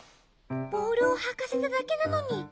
ボールをはかせただけなのに。